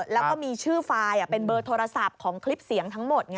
แล้วก็มีชื่อไฟล์เป็นเบอร์โทรศัพท์ของคลิปเสียงทั้งหมด